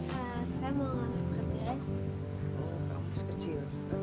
saya mau ngambil pekerjaan